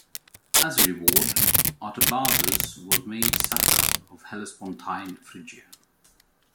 As a reward, Artabazus was made satrap of Hellespontine Phrygia.